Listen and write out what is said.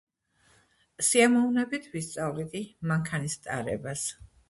სიამოვნებით ვისწავლიდი მანქანის ტარებას.